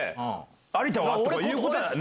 「有田は？」とか言うことはない。